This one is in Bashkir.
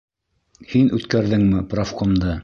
Һин үткәрҙеңме профкомды?